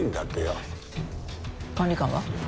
管理官は？